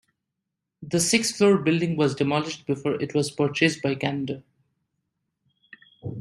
The six floor building was demolished before it was purchased by Canada.